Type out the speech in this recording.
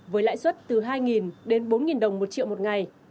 với lãi suất từ hai đến bốn đồng một triệu một ngày